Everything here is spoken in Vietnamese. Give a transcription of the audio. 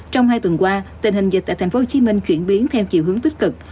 trong hai tuần qua tình hình dịch tại tp hcm chuyển biến theo chiều hướng tích cực